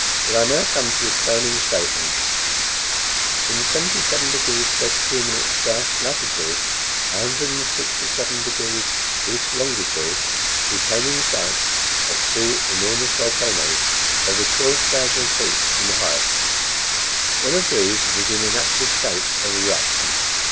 Well, I now come to the crowning statement. In 77 degrees 32' south latitude, 167 degrees east longitude, he came in sight of two enormous volcanoes over twelve thousand feet in height. One of these was in an active state of eruption.